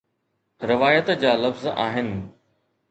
روايت جا لفظ آهن